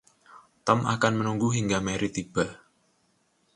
Tom akan menunggu hingga Mary tiba.